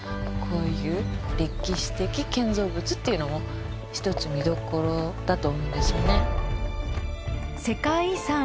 こういう歴史的建造物っていうのも１つ見どころだと思うんですよね。